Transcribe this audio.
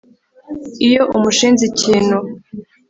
Iyo umushinze ikintu